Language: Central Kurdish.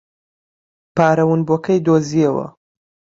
پارە ونبووەکەی دۆزییەوە.